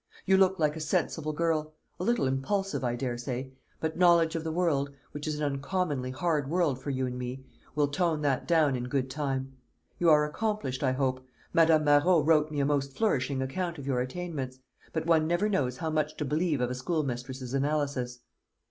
"You look like a sensible girl; a little impulsive, I daresay; but knowledge of the world which is an uncommonly hard world for you and me will tone that down in good time. You are accomplished, I hope. Madame Marot wrote me a most flourishing account of your attainments; but one never knows how much to believe of a schoolmistress's analysis."